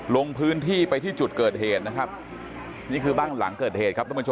ลงพื้นที่ไปที่จุดเกิดเหตุนี่คือบ้านหลังเกิดเหตุ